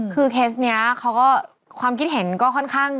คือเคสนี้เขาก็ความคิดเห็นก็ค่อนข้าง